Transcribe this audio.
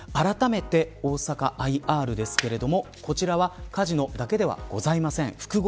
あらためて大阪ＩＲですけれどもこちらはカジノだけではございません。